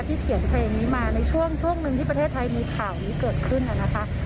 เขียนเพลงนี้มาในช่วงหนึ่งที่ประเทศไทยมีข่าวนี้เกิดขึ้นนะคะ